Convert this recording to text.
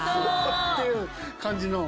っていう感じの。